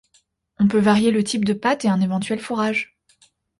On peut varier le type de pâte et un éventuel fourrage.